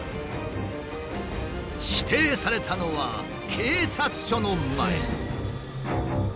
指定されたのは警察署の前。